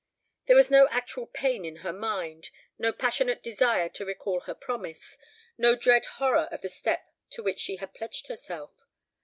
There was no actual pain in her mind, no passionate desire to recall her promise, no dread horror of the step to which she had pledged herself.